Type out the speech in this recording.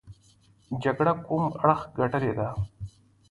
جګړه کوم اړخ ګټلې ده.